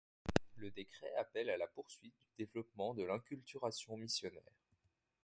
Le décret appelle à la poursuite du développement de l'inculturation missionnaire.